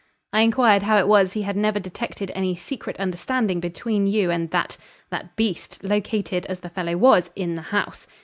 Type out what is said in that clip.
I inquired how it was he had never detected any secret understanding between you and that that beast, located, as the fellow was, in the house.